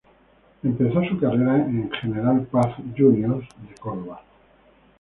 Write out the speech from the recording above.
Empezó su carrera en General Paz Juniors de Córdoba.